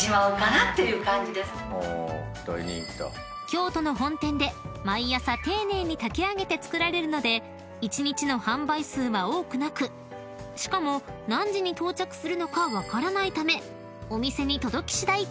［京都の本店で毎朝丁寧に炊き上げて作られるので一日の販売数は多くなくしかも何時に到着するのか分からないためお店に届きしだい